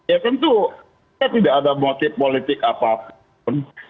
ya tentu kita tidak ada motif politik apapun